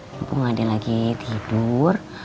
lepas adek lagi tidur